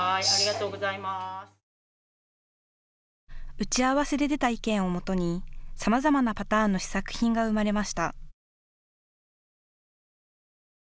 打ち合わせで出た意見をもとにさまざまなパターンの試作品が生まれました。